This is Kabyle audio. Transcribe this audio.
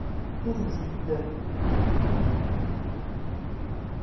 Zzi-d!